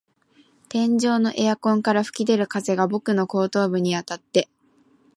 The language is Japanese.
天井のエアコンから吹き出る風が僕の後頭部にあたって、